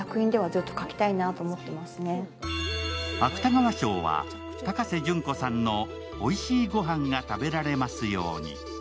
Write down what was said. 芥川賞は高瀬隼子さんの「おいしいごはんが食べられますように」。